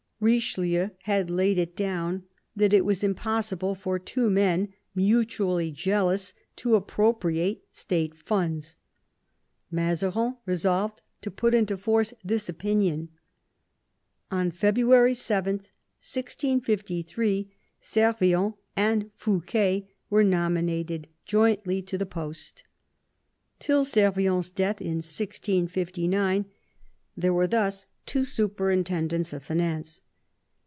Richelieu had laid it down that it was impossible for two men mutually jealous to appropriate State funds. Mazarin resolved to put into force this opinion. On February 7, 1653, Servien and Fouquet were nominated jointly to the post. Till Servients death in 1659 there were thus two superintendents of finance.